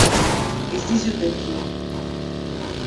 Ez dizut entzun